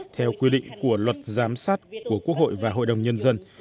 theo quy định của luật giám sát của quốc hội và hội đồng nhân dân